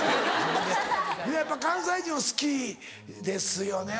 皆やっぱ関西人は好きですよね。